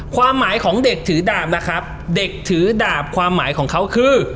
ความหมายของเด็กถือดาบนะครับเด็กถือดาบความหมายของเขาคือ